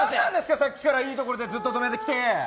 さっきからいいところでずっと止めてきて！